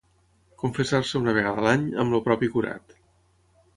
Confessar-se una vegada l'any amb el propi curat.